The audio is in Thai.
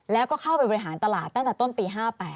แล้วก็เข้าไปบริหารตลาดตั้งแต่ต้นปี๕๘